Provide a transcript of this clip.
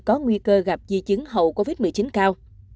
có nguy cơ gặp di chứng hậu covid một mươi chín cao